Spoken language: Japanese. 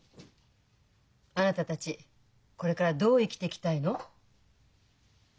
あなたたちこれからどう生きていきたいの？